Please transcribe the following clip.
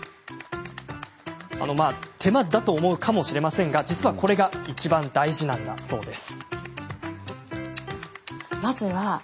手間だと思うかもしれませんが実は、これがいちばん大事なんだそうです。